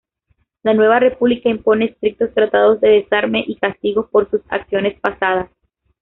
La Nueva República impone estrictos tratados de desarme y castigos por sus acciones pasadas.